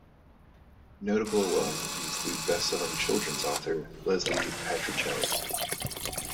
Notable alum include best-selling children's author, Leslie Patricelli.